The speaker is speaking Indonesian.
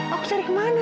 aku cari kemana